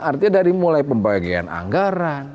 artinya dari mulai pembagian anggaran